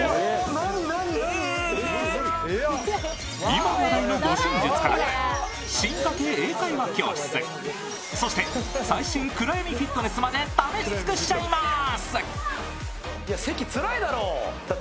今話題の護身術から進化系英会話教室、そして最新暗闇フィットネスまで試し尽くしちゃいます。